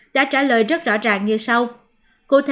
đã trả lời rất rõ ràng như sau